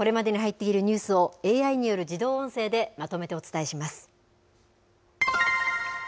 それではこれまでに入っているニュースをＡＩによる自動音声でまとめてお伝えします。